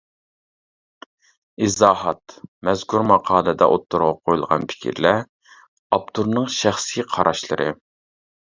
ئىزاھات: مەزكۇر ماقالىدە ئوتتۇرىغا قويۇلغان پىكىرلەر ئاپتورنىڭ شەخسىي قاراشلىرى.